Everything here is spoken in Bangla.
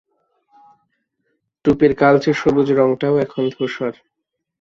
টুপির কালচে সবুজ রংটাও এখন ধূসর।